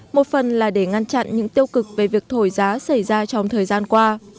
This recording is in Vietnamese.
một phần là để ngăn chặn những tiêu cực về việc thổi giá xảy ra trong thời gian qua